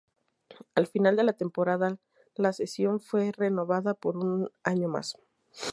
Al final de la temporada la cesión fue renovada por un año más.